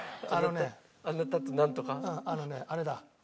あのねあれだ。